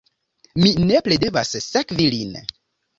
Mi nepre devas sekvi lin.